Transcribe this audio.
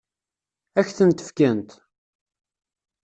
Ad k-tent-fkent?